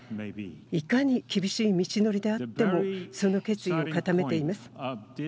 いかに厳しい道のりであってもその決意を固めています。